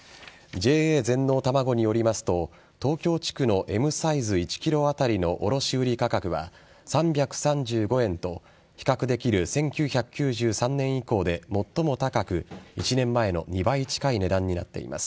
ＪＡ全農たまごによりますと東京地区のＭサイズ１ｋｇ当たりの卸売価格は３３５円と比較できる１９９３年以降で最も高く１年前の２倍近い値段になっています。